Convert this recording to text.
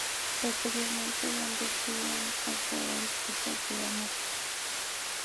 Posteriormente, Gardner sube a un transbordador espacial que va a Marte.